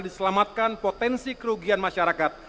diselamatkan potensi kerugian masyarakat